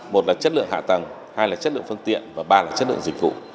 một là chất lượng hạ tầng hai là chất lượng phương tiện và ba là chất lượng dịch vụ